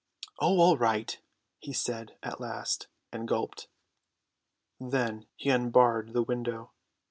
"Oh, all right," he said at last, and gulped. Then he unbarred the window.